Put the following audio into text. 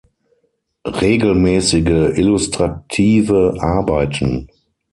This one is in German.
Regelmäßige illustrative Arbeiten.